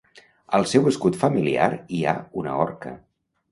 Al seu escut familiar hi ha una orca.